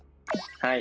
はい。